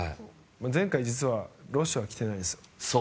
前回、実はロシアは来てないんですよ。